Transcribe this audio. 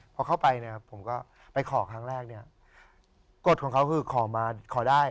พอเข้าไปเนี่ยผมก็ไปขอครั้งแรกเนี่ยกฎของเขาคือขอมาขอได้